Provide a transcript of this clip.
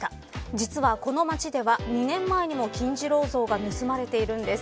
実は、この町では２年前にも金次郎像が盗まれているんです。